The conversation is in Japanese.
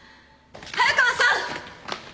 速川さん！